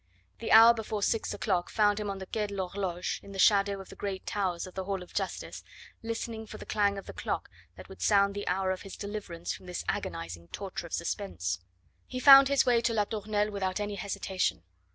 The hour before six o'clock found him on the Quai de l'Horloge in the shadow of the great towers of the Hall of Justice, listening for the clang of the clock that would sound the hour of his deliverance from this agonising torture of suspense. He found his way to La Tournelle without any hesitation.